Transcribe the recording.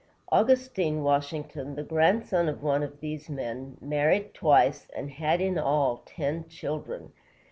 Augustine Washington, the grandson of one of these men, married twice, and had, in all, ten children.